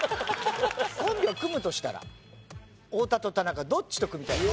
コンビを組むとしたら太田と田中どっちと組みたいですか？